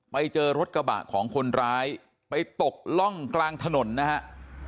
ไปเจอรถกระบะของคนร้ายไปตกร่องกลางถนนนะฮะ